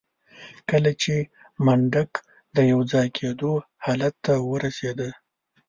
کله چې منډک د يوځای کېدو حالت ته ورسېده.